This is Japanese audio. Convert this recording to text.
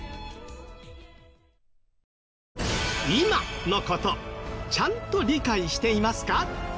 今の事ちゃんと理解していますか？